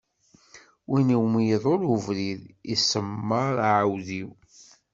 Win iwumi iḍul ubrid, iṣemmeṛ aɛudiw.